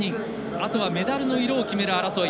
あとはメダルの色を決める争い。